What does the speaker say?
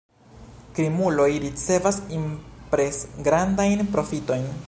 Krimuloj ricevas impresgrandajn profitojn.